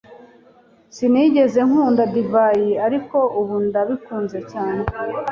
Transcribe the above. Sinigeze nkunda divayi, ariko ubu ndabikunze cyane.